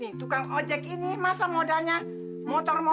nih tukang ojek ini masa modalnya motor